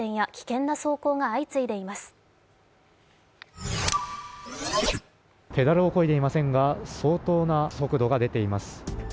ペダルをこいでいませんが、相当な速度が出ています。